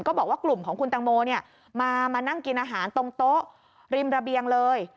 บอกว่ากลุ่มของคุณตังโมมานั่งกินอาหารตรงโต๊ะริมระเบียงเลย